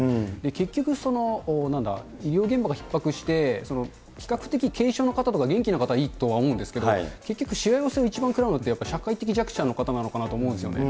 結局、なんだ、医療現場がひっ迫して、比較的軽症の方とか元気な方、いいとは思うんですけれども、結局、しわ寄せ一番食らうのって、やっぱり社会的弱者の方かなと思うんですよね。